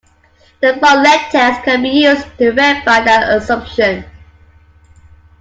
The Bartlett test can be used to verify that assumption.